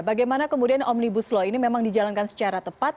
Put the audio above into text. bagaimana kemudian omnibus law ini memang dijalankan secara tepat